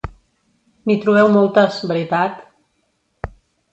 -N'hi trobeu moltes, veritat?